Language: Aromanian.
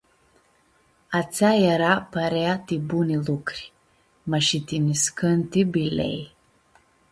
Atsea eara parea ti buni lucri, ma shi ti nãscãnti bilei.